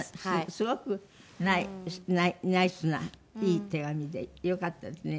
すごくナイスないい手紙でよかったですね。